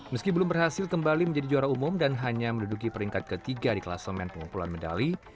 meski belum berhasil kembali menjadi juara umum dan hanya menduduki peringkat ketiga di kelasemen pengumpulan medali